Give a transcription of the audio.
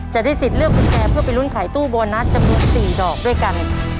จะได้สิทธิ์เลือกกุญแจเพื่อไปลุ้นขายตู้โบนัสจำนวน๔ดอกด้วยกัน